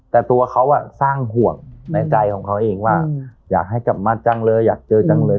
แต่ตัวเขาสร้างห่วงในใจของเขาเองว่าอยากให้กลับมาจังเลยอยากเจอจังเลย